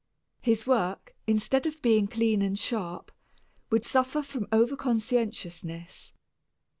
His work, instead of being clean and sharp, would suffer from over conscientiousness.